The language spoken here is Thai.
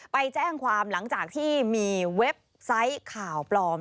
ไปแจ้งความหลังจากที่มีเว็บไซต์ข่าวปลอม